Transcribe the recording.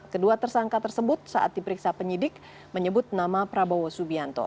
kedua tersangka tersebut saat diperiksa penyidik menyebut nama prabowo subianto